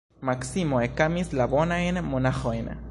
Maksimo ekamis la bonajn monaĥojn.